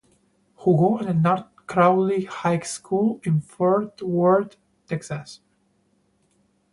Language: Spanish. Jugó en el North Crowley High School en Fort Worth, Texas.